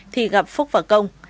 thì gặp phúc và công